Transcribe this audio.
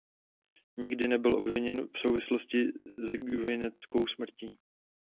Nikdy nebyl obviněn v souvislosti s Gwinnettovou smrtí.